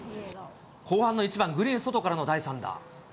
後半の１番、グリーン外からの第３打。